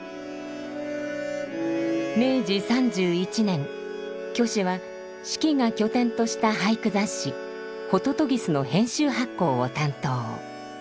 明治３１年虚子は子規が拠点とした俳句雑誌「ホトトギス」の編集発行を担当。